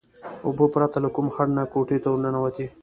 اوبه پرته له کوم خنډ نه کوټې ته ورننوتې.